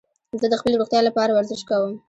زه د خپلي روغتیا له پاره ورزش کوم.